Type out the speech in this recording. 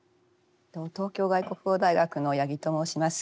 東京外国語大学の八木と申します。